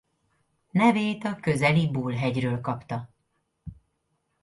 Nevét a közeli Bull-hegyről kapta.